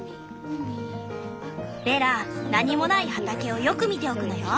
ベラ何もない畑をよく見ておくのよ。